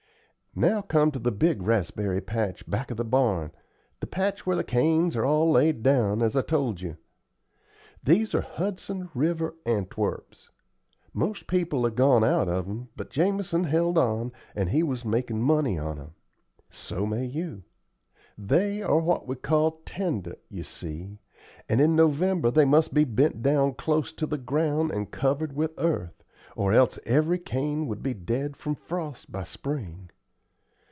Now come to the big raspberry patch back of the barn, the patch where the canes are all laid down, as I told you. These are Hudson River Antwerps. Most people have gone out of 'em, but Jamison held on, and he was makin' money on 'em. So may you. They are what we call tender, you see, and in November they must be bent down close to the ground and covered with earth, or else every cane would be dead from frost by spring.